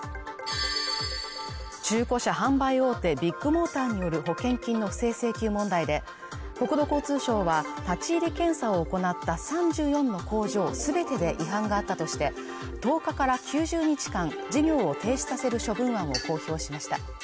中古車販売大手ビッグモーターによる保険金の不正請求問題で国土交通省は立ち入り検査を行った３４の工場すべてで違反があったとして１０日から９０日間授業を停止させる処分案を公表しました